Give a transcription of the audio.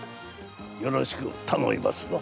よろしくたのみますぞ。